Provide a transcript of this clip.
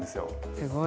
すごい。